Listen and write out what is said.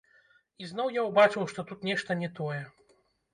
І зноў я ўбачыў, што тут нешта не тое.